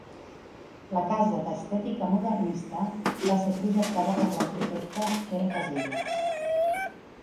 La casa, d'estètica modernista, va ser projectada per l'arquitecte Pere Caselles.